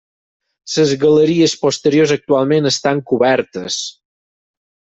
Les galeries posteriors actualment estan cobertes.